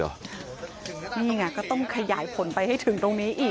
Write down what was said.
นี่ไงก็ต้องขยายผลไปให้ถึงตรงนี้อีก